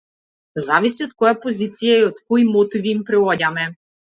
Зависи од која позиција и од кои мотиви им приоѓаме.